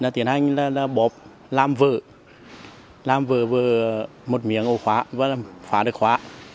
tiến hành là bỏ làm vỡ làm vỡ vỡ một miếng ổ khóa và phá được khóa